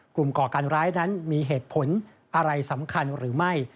ก่อการร้ายนั้นมีเหตุผลอะไรสำคัญหรือไม่